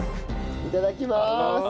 いただきます！